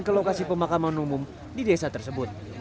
ke lokasi pemakaman umum di desa tersebut